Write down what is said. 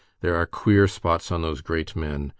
There are queer spots on those great men.